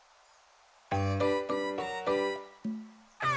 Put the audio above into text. あ！